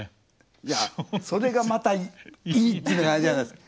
いやそれがまたいいっていうのがあれじゃないですか。